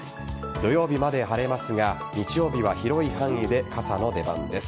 土曜日まで晴れますが日曜日は広い範囲で傘の出番です。